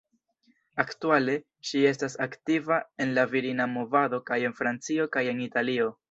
Aktuale, ŝi estas aktiva en la Virina Movado kaj en Francio kaj en Italio.